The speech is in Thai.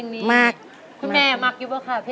อเรนนี่มันดีค่ะเพราะว่าทางเรามึ่นตึ๊บเลยค่ะจินตลา